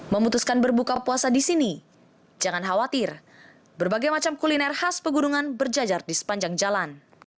memutuskan berbuka puasa di sini jangan khawatir berbagai macam kuliner khas pegunungan berjajar di sepanjang jalan